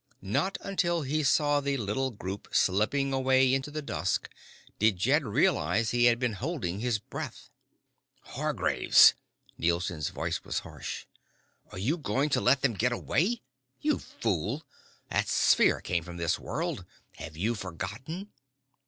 Not until he saw the little group slipping away into the dusk did Jed realize he had been holding his breath. "Hargraves!" Nielson's voice was harsh. "Are you going to let them get away? You fool! That sphere came from this world. Have you forgotten?"